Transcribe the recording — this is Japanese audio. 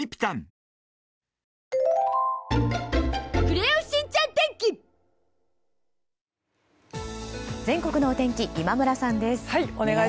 「颯」全国のお天気今村さんです。